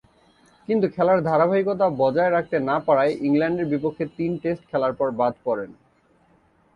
কিন্তু খেলার ধারাবাহিকতা বজায় রাখতে না পারায় ইংল্যান্ডের বিপক্ষে তিন টেস্ট খেলার পর বাদ পড়েন।